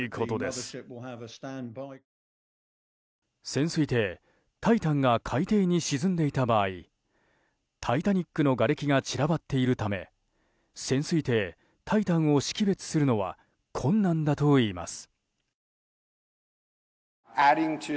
潜水艇「タイタン」が海底に沈んでいた場合「タイタニック」のがれきがちらばっているため潜水艇「タイタン」を識別するのは困難だといいます。